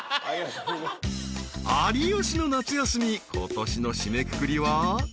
［『有吉の夏休み』ことしの締めくくりは］